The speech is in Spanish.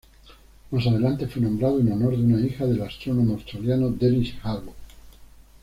Más adelante fue nombrado en honor de una hija del astrónomo australiano Dennis Harwood.